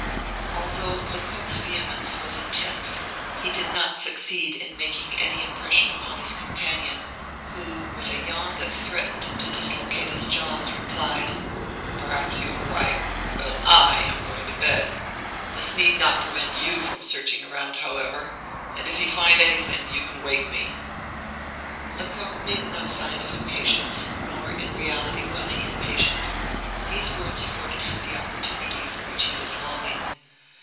Although Lecoq's vehemence was intense, he did not succeed in making any impression upon his companion, who with a yawn that threatened to dislocate his jaws replied: "Perhaps you are right; but I am going to bed. This need not prevent you from searching around, however; and if you find anything you can wake me." Lecoq made no sign of impatience: nor in reality was he impatient. These words afforded him the opportunity for which he was longing.